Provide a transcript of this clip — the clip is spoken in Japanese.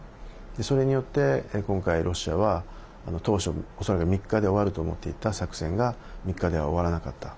それによって今回、ロシアは当初、恐らく３日で終わると思ってた作戦が３日では終わらなかった。